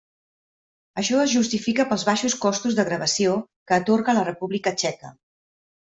Això es justifica pels baixos costos de gravació que atorga la República Txeca.